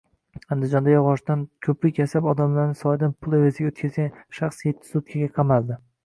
Andijonda yog‘ochdan ko‘prik yasab, odamlarni soydan pul evaziga o‘tkazgan shaxsyettisutkaga qamaldi